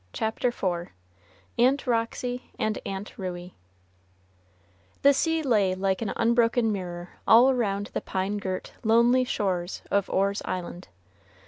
CHAPTER IV AUNT ROXY AND AUNT RUEY The sea lay like an unbroken mirror all around the pine girt, lonely shores of Orr's Island.